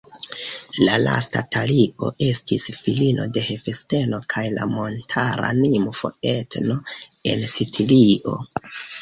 La lasta Talio estis filino de Hefesto kaj la montara nimfo Etno, en Sicilio.